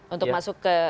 untuk masuk ke dprd